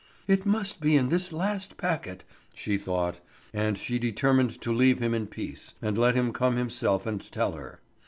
"It must be in this last packet!" she thought; and she determined to leave him in peace, and let him come himself and tell her.